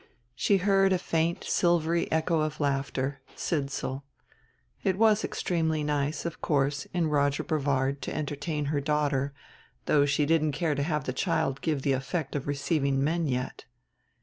She heard a faint silvery echo of laughter Sidsall. It was extremely nice, of course, in Roger Brevard to entertain her daughter, though she didn't care to have the child give the effect of receiving men yet.